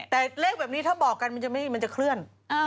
แต่เลขอย่างนี้ถ้าบอกกันจะคลื่น